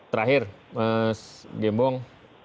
terakhir mas gembong